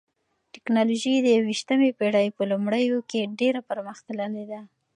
ټکنالوژي د یوویشتمې پېړۍ په لومړیو کې ډېره پرمختللې ده.